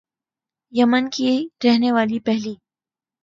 یمن کی رہنے والی پہلی